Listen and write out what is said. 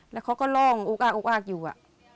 และเขาก็ล้องอุ๊กอ้ากอยู่อะ